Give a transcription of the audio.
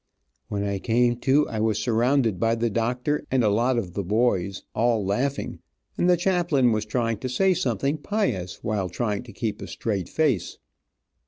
When I came to I was surrounded by the doctor, and a lot of the boys, all laughing, and the chaplain was trying to say something pious, while trying to keep a straight face.